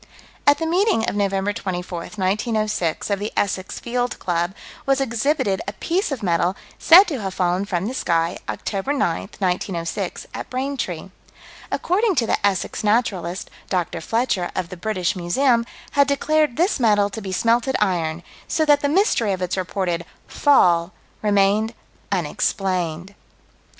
At the meeting of Nov. 24, 1906, of the Essex Field Club, was exhibited a piece of metal said to have fallen from the sky, Oct. 9, 1906, at Braintree. According to the Essex Naturalist, Dr. Fletcher, of the British Museum, had declared this metal to be smelted iron "so that the mystery of its reported 'fall' remained unexplained."